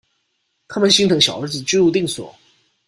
他們心疼小兒子居無定所